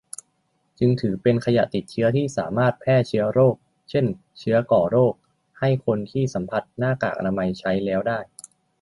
จึงถือเป็นขยะติดเชื้อที่สามารถแพร่เชื้อโรค เช่น เชื้อก่อโรค ให้คนที่สัมผัสหน้ากากอนามัยใช้แล้วได้